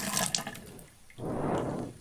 Grupo Modelo cuenta con empleados.